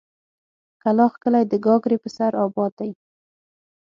کلاخ کلي د گاگرې په سر اباد دی.